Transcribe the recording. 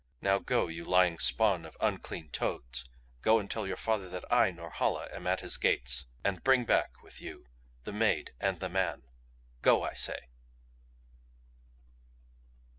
Now go, you lying spawn of unclean toads go and tell your father that I, Norhala, am at his gates. And bring back with you the maid and the man. Go, I say!"